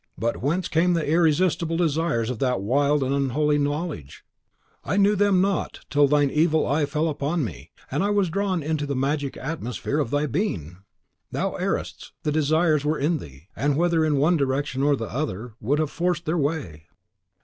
"But whence came the irresistible desires of that wild and unholy knowledge? I knew them not till thine evil eye fell upon me, and I was drawn into the magic atmosphere of thy being!" "Thou errest! the desires were in thee; and, whether in one direction or the other, would have forced their way!